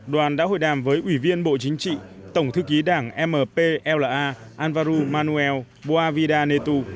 đoàn đã hội đàm với ủy viên bộ chính trị tổng thư ký đảng mpla anvaru manuel boavida netu